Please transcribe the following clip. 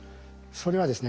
それはですね